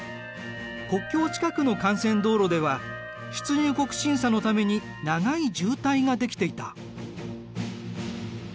国境近くの幹線道路では出入国審査のために長い渋滞が出来ていた。